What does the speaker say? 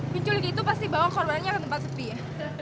muncul gitu pasti bawa korbannya ke tempat sepi ya